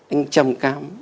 anh trầm cảm